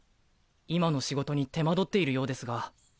今の仕事に手間取っているようですが。